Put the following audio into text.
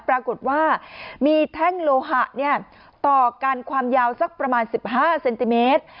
ปรากฏว่ามีแท่งโลหะต่อกันความยาวสักประมาณ๑๕เซนติเมตร